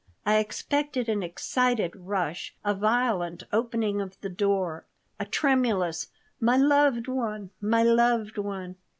I expected an excited rush, a violent opening of the door, a tremulous: "My loved one! My loved one!"